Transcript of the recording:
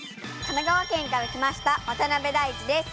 神奈川県から来ました渡辺大馳です。